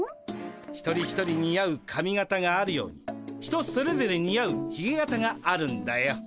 一人一人似合う髪形があるように人それぞれ似合うひげ形があるんだよ。